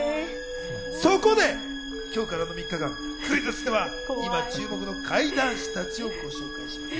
そこで今日からの３日間、クイズッスでは今注目の怪談師たちをご紹介します。